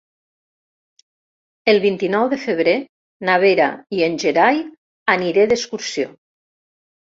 El vint-i-nou de febrer na Vera i en Gerai aniré d'excursió.